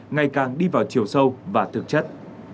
ngày càng đi vào chiều sâu và thực chất